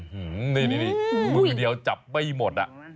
หือนี่มือเดียวจับไม่หมดอ่ะ